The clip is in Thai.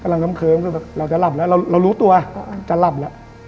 กำลังเคิ้มเราจะหลับแล้วเรารู้ตัวจะหลับแล้ว